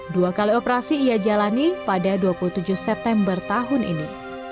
dua kali operasi ia jalani pada dua puluh tujuh september tahun ini